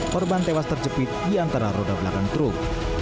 korban tewas terjepit di antara roda belakang truk